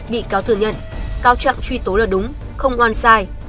bị cáo thừa nhận cáo chặn truy tố là đúng không oan sai